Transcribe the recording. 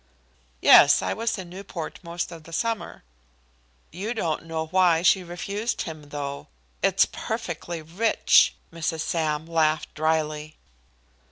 "Yes, I was in Newport most of the summer." "You don't know why she refused him, though. It's perfectly rich!" Mrs. Sam laughed dryly.